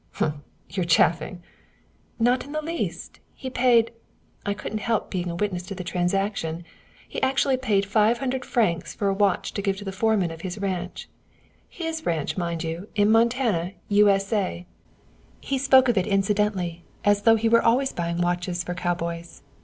"Humph! you're chaffing." "Not in the least. He paid I couldn't help being a witness to the transaction he actually paid five hundred francs for a watch to give to the foreman of his ranch his ranch, mind you, in Montana, U.S.A. He spoke of it incidentally, as though he were always buying watches for cowboys.